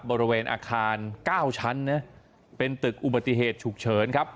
บริเวณอาคาร๙ชั้นนะเป็นตึกอุบัติเหตุฉุกเฉินครับ